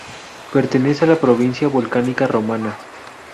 Pertenece a la Provincia Volcánica Romana